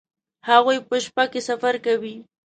هغوی په شپه کې سفر کوي